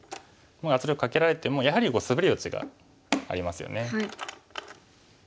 圧力かけられてもやはりスベる余地がありますよね。